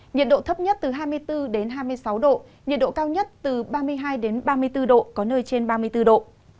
nhiệt độ thấp nhất từ hai mươi bốn hai mươi sáu độ nhiệt độ cao nhất từ ba mươi hai ba mươi bốn độ có nơi trên ba mươi bốn độ